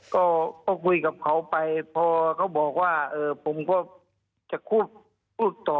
ก็คุยกับเขาไปพอเขาบอกว่าผมก็จะพูดต่อ